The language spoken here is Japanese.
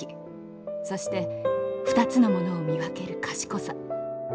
そして二つの物を見分ける賢さ」。